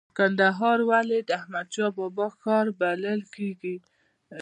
کندهار ولې د احمد شاه بابا ښار بلل کیږي؟